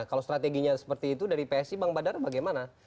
kalau strateginya seperti itu dari psi bang badar bagaimana